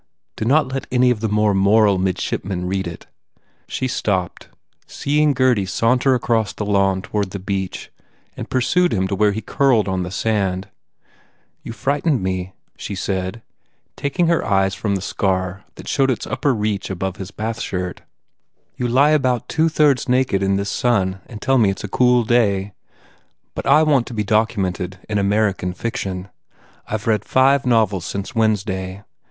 Do not let any of the more moral mid shipmen read it." She stopped, seeing Gurdy saunter across the lawn toward the beach and pur sued him to where he curled on the sand. "You frighten me," she said, taking her eyes from the scar that showed its upper reach above his bathshirt, "you lie about two thirds naked in this sun and then tell me it s a cool day. But I want to be documented in American fiction. I ve read five novels since Wednesday.